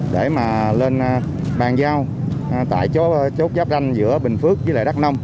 để mà lên bàn giao tại chốt giáp ranh giữa bình phước với đắk nông